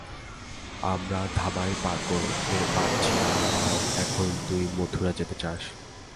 আমরা ধাবাই পার করতে পারছি না আর এখন তুই মথুরা যেতে চাস।